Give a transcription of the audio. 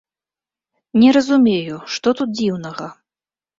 Не разумею, што тут дзіўнага.